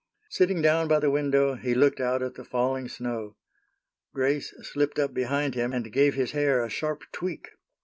Sitting down by the window, he looked out at the falling snow. Grace slipped up behind him, and gave his hair a sharp tweak.